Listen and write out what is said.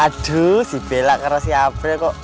aduh si bella kerasi april kok